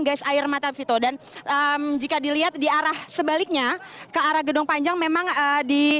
gais air mata vito dan jika dilihat diarah sebaliknya ke arah gedung panjang memang di